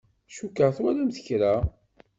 Cukkeɣ twalamt kra.